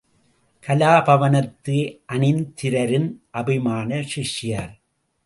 கலாபவனத்து அவனிந்திரரின் அபிமான சிஷ்யர்.